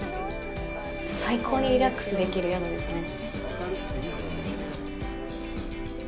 最高にリラックスできる宿ですね。